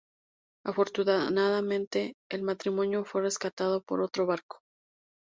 Afortunadamente, el matrimonio fue rescatado por otro barco.